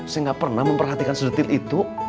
saya gak pernah memperhatikan sedetik itu